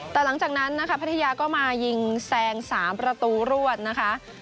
แต่หลังจากนั้นนะคะพัทยาก็มายิงแซง๓ประตูรวดนะคะ